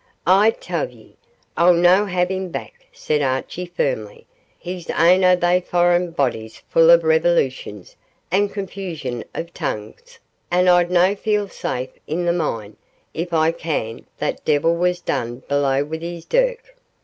'I tell ye I'll no have him back,' said Archie, firmly; 'he's ain o' they foreign bodies full of revolutions an' confusion o' tongues, and I'd no feel safe i' the mine if I kenned that deil was doon below wi' his dirk.